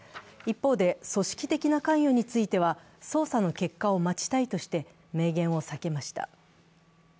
一方で、組織的な関与については捜査の結果を待ちたいとして明言を避けました。